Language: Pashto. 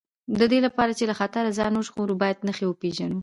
د دې لپاره چې له خطره ځان وژغورو باید نښې وپېژنو.